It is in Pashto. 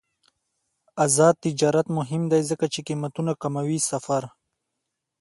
آزاد تجارت مهم دی ځکه چې قیمتونه کموي سفر.